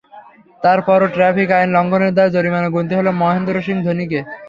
তার পরও ট্রাফিক আইন লঙ্ঘনের দায়ে জরিমানা গুনতে হলো মহেন্দ্র সিং ধোনিকে।